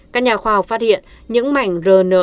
các nhà khoa học phát hiện những mảnh rna của virus